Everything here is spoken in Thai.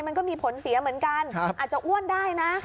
มันก็มีผลเสียเหมือนกันอาจจะอ้วนได้นะ